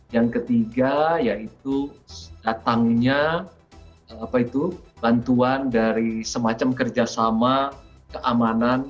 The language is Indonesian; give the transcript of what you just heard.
yang ketiga yaitu datangnya bantuan dari semacam kerjasama keamanan